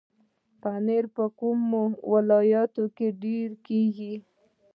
پنبه په کومو ولایتونو کې ډیره کیږي؟